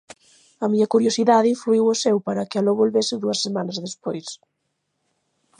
A miña curiosidade influíu o seu para que aló volvese dúas semanas despois.